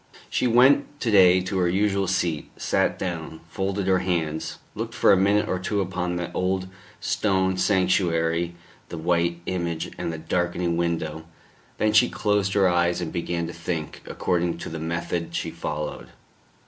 She went to day to her usual seat, sat down, folded her hands, looked for a minute or two upon the old stone sanctuary, the white image and the darkening window. Then she closed her eyes and began to think, according to the method she followed.